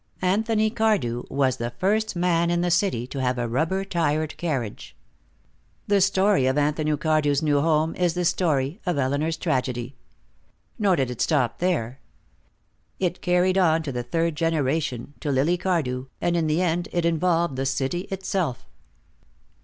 Anthony Cardew was the first man in the city to have a rubber tired carriage. The story of Anthony Cardew's new home is the story of Elinor's tragedy. Nor did it stop there. It carried on to the third generation, to Lily Cardew, and in the end it involved the city itself.